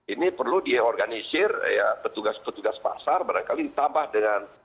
ini perlu diorganisir ya petugas petugas pasar barangkali ditambah dengan